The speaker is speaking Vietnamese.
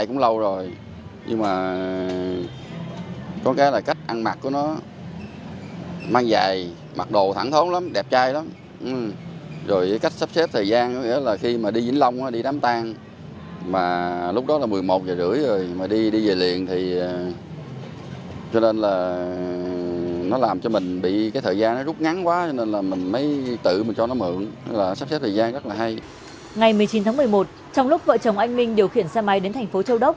ngày một mươi chín tháng một mươi một trong lúc vợ chồng anh minh điều khiển xe máy đến thành phố châu đốc